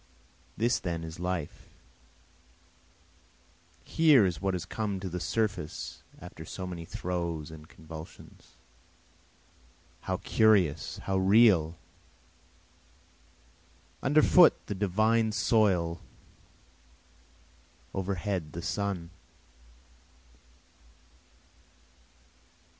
This then is life, Here is what has come to the surface after so many throes and convulsions. How curious! how real! Underfoot the divine soil, overhead the sun.